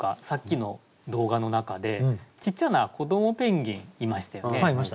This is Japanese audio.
さっきの動画の中でちっちゃな子どもペンギンいましたよね。